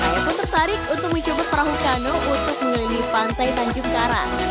saya pun tertarik untuk mencoba perahu kano untuk mengelilingi pantai tanjung karat